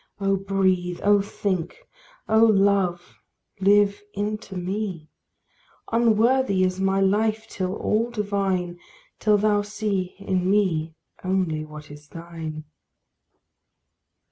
Oh breathe, oh think, O Love, live into me; Unworthy is my life till all divine, Till thou see in me only what is thine.